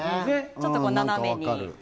ちょっと斜めに。